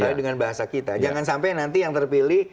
sesuai dengan bahasa kita jangan sampai nanti yang terpilih